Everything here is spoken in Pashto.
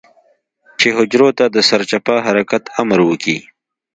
چې حجرو ته د سرچپه حرکت امر وکي.